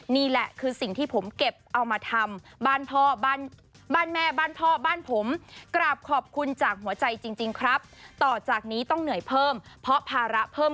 นี่แหละคือสิ่งที่ผมเก็บเอามาทำ